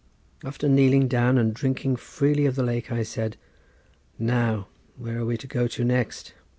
After kneeling down and drinking freely of the lake I said: "Now, where are we to go to next?"